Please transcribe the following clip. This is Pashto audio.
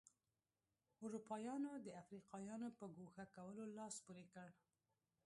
اروپایانو د افریقایانو په ګوښه کولو لاس پورې کړ.